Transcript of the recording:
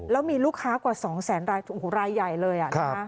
แล้วมีลูกค้ากว่า๒แสนรายใหญ่เลย